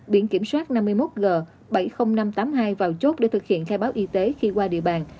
biển kiểm soát năm mươi một g bảy mươi nghìn năm trăm tám mươi hai vào chốt để thực hiện khai báo y tế khi qua địa bàn